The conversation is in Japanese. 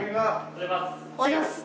・おはようございます。